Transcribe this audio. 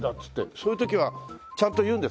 そういう時はちゃんと言うんですか？